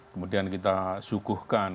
kemudian kita suguhkan